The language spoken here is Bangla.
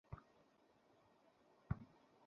চেইন ছিনতাই কোন ছোট-খাটো অপরাধ নয়, স্যার।